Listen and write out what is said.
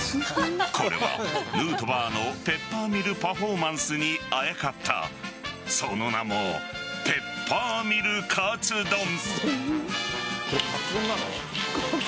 これはヌートバーのペッパーミルパフォーマンスにあやかったその名もペッパーミル勝どん。